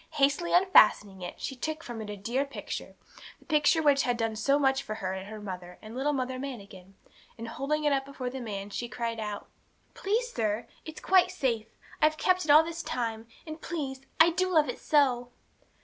Hastily unfastening it, she took from it her dear picture the picture which had done so much for her and her mother and little Mother Manikin and, holding it up before the old man, she cried out 'Please, sir, it's quite safe. I've kept it all this time; and, please, I do love it so!'